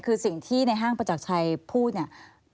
คือสิ่งที่ในห้างประจักรชัยพูดเนี่ย